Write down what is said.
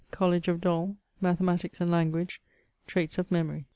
COLLEGE OV DOL — MATHEMATICS AND LANGUAGE — TRAITS OF MEMORY.